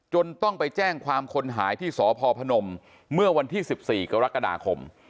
ต้องไปแจ้งความคนหายที่สพพนมเมื่อวันที่๑๔กรกฎาคม